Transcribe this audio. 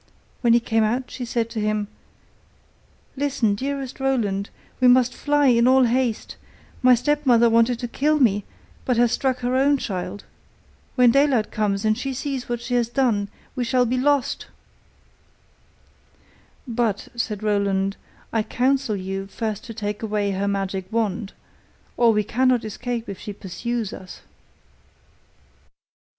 When he came out, she said to him: 'Listen, dearest Roland, we must fly in all haste; my stepmother wanted to kill me, but has struck her own child. When daylight comes, and she sees what she has done, we shall be lost.' 'But,' said Roland, 'I counsel you first to take away her magic wand, or we cannot escape if she pursues us.